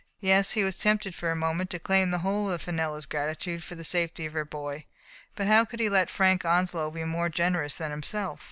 Yes, he was tempted for a moment to claim the whole of Fenella's gratitude for the safety of her boy. But how could he let Frank Onslow be more generous than himself?